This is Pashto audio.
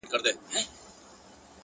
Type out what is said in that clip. نن شپه بيا زه پيغور ته ناسته يمه~